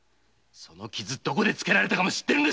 どこでつけられたかも知っているんですよ！